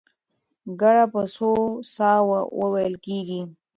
ګړه په څو ساه وو وېل کېږي؟